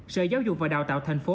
sở giáo dục và đào tạo thành phố